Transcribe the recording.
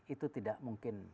itu tidak mungkin